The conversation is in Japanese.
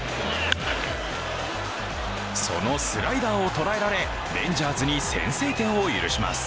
そのスライダーをとらえられレンジャーズに先制点を許します。